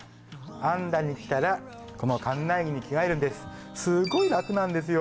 Ａｎｄａに来たらこの館内着に着替えるんですすごい楽なんですよ